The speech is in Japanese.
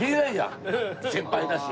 先輩だし。